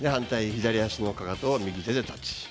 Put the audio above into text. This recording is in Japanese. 左足のかかとを右手でタッチ。